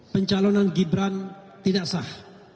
pencalonan gibran tidak sah